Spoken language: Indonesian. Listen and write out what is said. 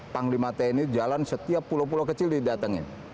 panglima tni jalan setiap pulau pulau kecil didatengin